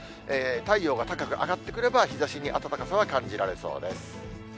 太陽が高く上がってくれば、日ざしに暖かさは感じられそうです。